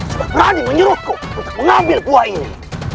sudah berani menyuruhku untuk mengambil buah ini